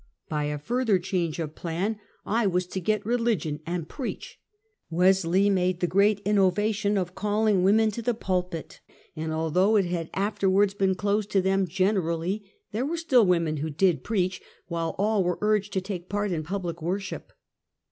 By a further change of plan, I was to get religion and preach. Wesley made the great innovation of calling women to the pulpit, and although it had after wards been closed to them generally, there were still women who did preach, while all were urged to take part in public worship.